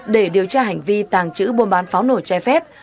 để điều tra hành vi tàng trữ buôn bán pháo nổ chai phép